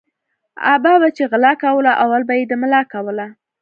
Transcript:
ابا به چی غلا کوله اول به یی د ملا کوله